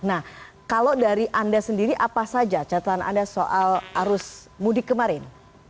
nah kalau dari anda sendiri apa saja catatan anda soal arus mudik kemarin